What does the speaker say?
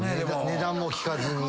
値段も聞かずに？